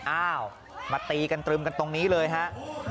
อ้าวมาตีกันตรึมกันตรงนี้เลยฮะ